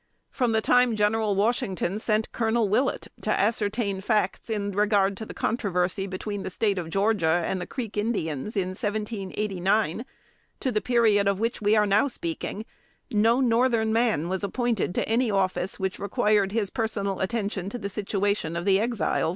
From the time General Washington sent Colonel Willett to ascertain facts in regard to the controversy between the State of Georgia and the Creek Indians, in 1789, to the period of which we are now speaking, no Northern man was appointed to any office which required his personal attention to the situation of the Exiles.